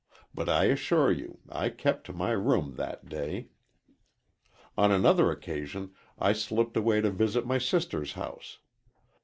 But I assure you I kept to my room that day. "On another occasion I slipped away to visit my sister's house.